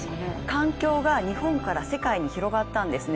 環境が日本から世界に広がったんですね。